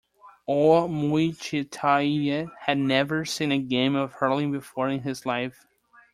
Ó Muircheartaigh had never seen a game of hurling before in his life.